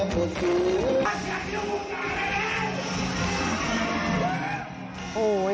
มันอยากดูการแห่ง